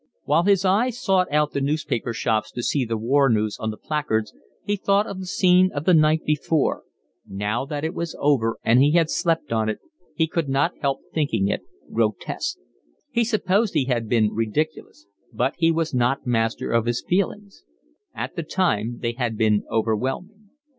While his eyes sought out the newspaper shops to see the war news on the placards, he thought of the scene of the night before: now that it was over and he had slept on it, he could not help thinking it grotesque; he supposed he had been ridiculous, but he was not master of his feelings; at the time they had been overwhelming.